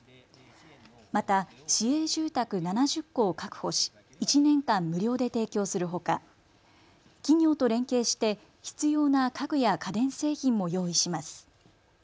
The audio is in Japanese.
また、市営住宅７０戸を確保し１年間無料で提供するほか企業と連携して必要な家具や家電製品も用意します。